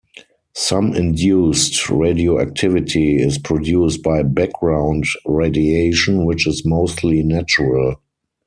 Some induced radioactivity is produced by background radiation, which is mostly natural.